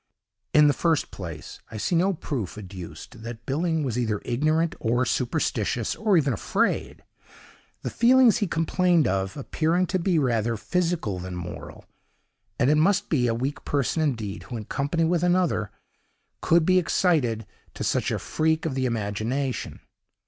In the first place, I see no proof adduced that Billing was either ignorant or superstitious, or even afraid—the feelings he complained of appearing to be rather physical than moral; and it must be a weak person indeed, who, in company with another, could be excited to such a freak of the imagination.